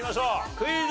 クイズ。